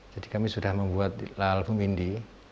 jadi kami sudah membuat album indi